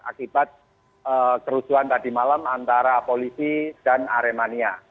akibat kerusuhan tadi malam antara polisi dan aremania